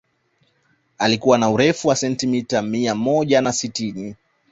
Alikuwa na urefu wa sentimita mia moja na tisini